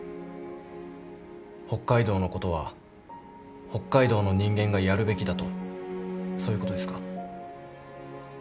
北海道のことは北海道の人間がやるべきだとそういうことですか？